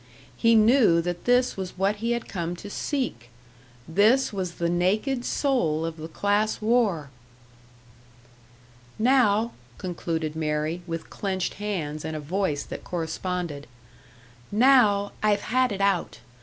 He knew that this was what he had come to seek! This was the naked soul of the class war! "Now," concluded Mary, with clenched hands, and a voice that corresponded, "now, I've had it out.